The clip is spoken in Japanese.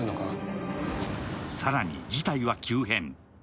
更に事態は急変。